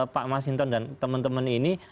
pak mas hinton dan temen temen ini